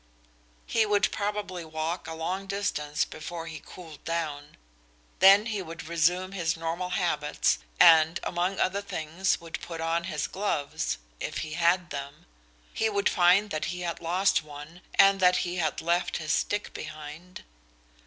He would probably walk a long distance before he cooled down. Then he would resume his normal habits and among other things would put on his gloves if he had them. He would find that he had lost one and that he had left his stick behind.